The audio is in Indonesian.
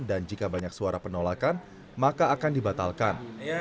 dan jika banyak suara penolakan maka akan dibatalkan